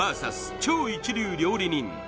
超一流料理人